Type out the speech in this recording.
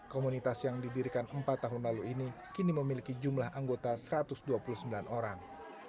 komunitas yang didirikan empat tahun lalu ini kini memiliki jumlah anggota satu ratus dua puluh sembilan orang